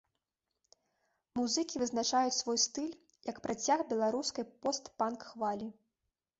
Музыкі вызначаюць свой стыль як працяг беларускай пост-панк-хвалі.